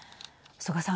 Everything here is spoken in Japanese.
曽我さん。